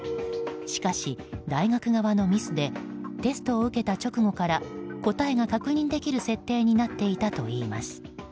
しかし、大学側のミスでテストを受けた直後から答えが確認できる設定になっていたといいます。